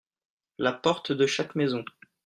La porte de chaque maison.